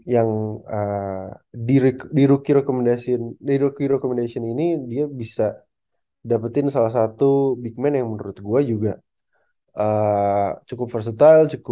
yang di rookie rekomendasi ini dia bisa dapetin salah satu big man yang menurut gue juga cukup versatile